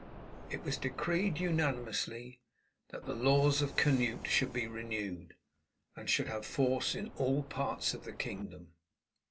It was decreed unanimously that the laws of Canute should be renewed, and should have force in all parts of the kingdom.